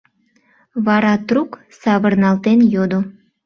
Вара трук савырналтен йодо: